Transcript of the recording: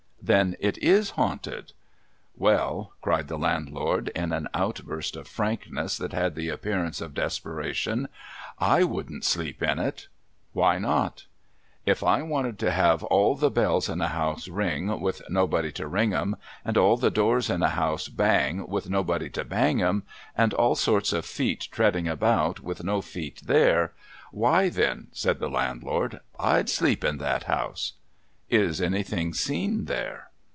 ' Then it is haunted ?'' \Yq\\ !' cried the landlord, in an outburst of frankness that had the appearance of desperation —' I wouldn't sleep in it.' ' Why not ?'' If I wanted to have all the bells in a house ring, with nobody to ring 'em ; and all the doors in a house bang, with nobody to bang 'em ; and all sorts of feet treading about, with no feet there; why, then,' said the landlord, ' I'd sleep in that house.' ' Is anything seen there